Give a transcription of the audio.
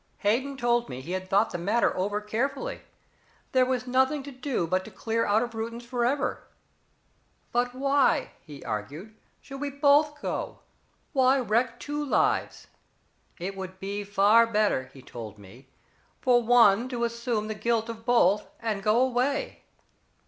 "Hayden told me he had thought the matter over carefully. There was nothing to do but to clear out of Reuton forever. But why, he argued, should we both go? Why wreck two lives? It would be far better, he told me, for one to assume the guilt of both and go away.